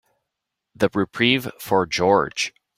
The reprieve for George.